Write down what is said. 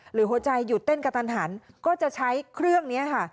หัวใจหยุดเต้นกระทันหันก็จะใช้เครื่องนี้ค่ะ